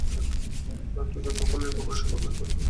তাঁরা দুজন কখনোই একে অপরের সঙ্গে অভিনয় করতে অনীহা প্রকাশ করেননি।